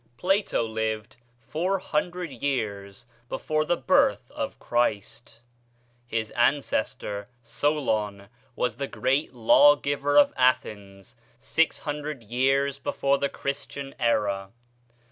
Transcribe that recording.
Plato lived 400 years before the birth of Christ. His ancestor, Solon, was the great law giver of Athens 600 years before the Christian era.